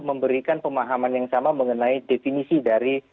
memberikan pemahaman yang sama mengenai definisi dari